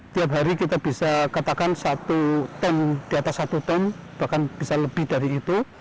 tiap hari kita bisa katakan satu ton di atas satu ton bahkan bisa lebih dari itu